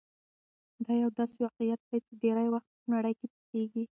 دا يو داسې واقعيت دی چې ډېری وخت په نړۍ کې پېښېږي.